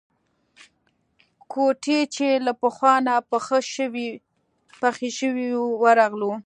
کوټې چې له پخوا نه په نښه شوې وې ورغلو.